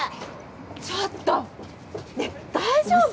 ちょっとねえ大丈夫？